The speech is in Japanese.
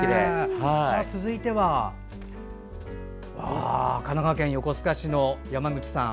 続いては神奈川県横須賀市の山口さん。